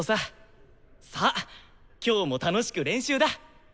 さあ今日も楽しく練習だ！